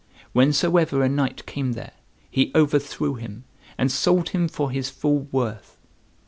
Whensoever a knight came there, he overthrew him, and sold him for his full worth.